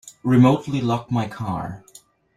Remotely lock my car.